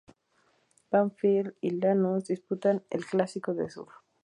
Banfield y Lanús, disputan el Clásico del Sur.